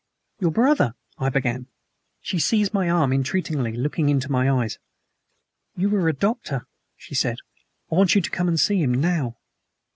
"Your brother " I began. She seized my arm entreatingly, looking into my eyes. "You are a doctor," she said. "I want you to come and see him now."